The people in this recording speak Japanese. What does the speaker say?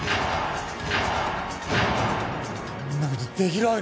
そんなことできるわけねえだろ。